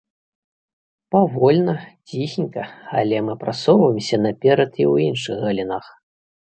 Павольна, ціхенька, але мы прасоўваемся наперад і ў іншых галінах.